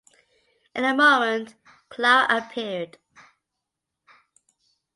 In a moment Clara appeared.